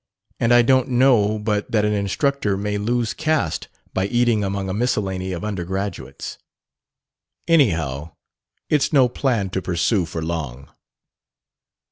And I don't know but that an instructor may lose caste by eating among a miscellany of undergraduates. Anyhow, it's no plan to pursue for long."